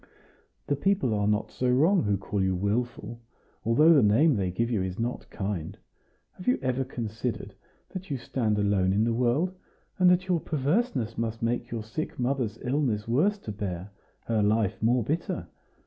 "The people are not so wrong who call you wilful, although the name they give you is not kind. Have you ever considered that you stand alone in the world, and that your perverseness must make your sick mother's illness worse to bear, her life more bitter?